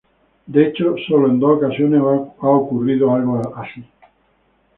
De hecho, sólo en dos ocasiones ha ocurrido algo así.